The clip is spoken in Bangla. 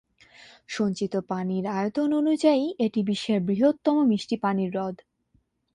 সঞ্চিত পানির আয়তন অনুযায়ী এটি বিশ্বের বৃহত্তম মিষ্টি পানির হ্রদ।